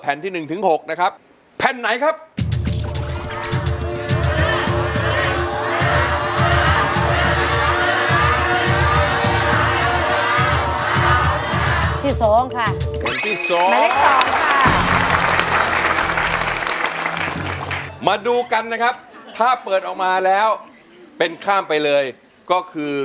แผ่นที่๑๖นะครับแผ่นไหนครับที่๒ค่ะเป็นที่สองค่ะมาดูกันนะครับถ้าเปิดออกมาแล้วเป็นข้ามไปเลยก็คือ